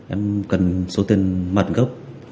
em cần số tiền mặt gốc